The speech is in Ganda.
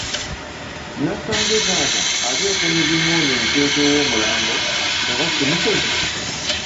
Nasanze taata ateeka omuziŋoonyo emitwetwe w’omulambo oba si musezi?